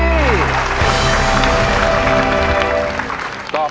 ไม่ใช้